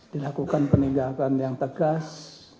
dilakukan peninggalkan yang tegas